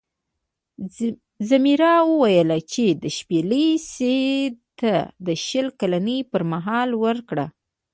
ځمیرا وویل چې دا شپیلۍ سید ته د شل کلنۍ پر مهال ورکړه.